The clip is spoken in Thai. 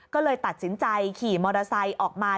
ก็เลยตัดสินใจขี่มอเตอร์ไซค์ออกมา